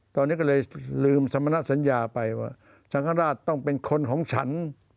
ตอนนี้ก็เลยลืมสมณสัญญาไปว่าสังฆราชต้องเป็นคนของฉัน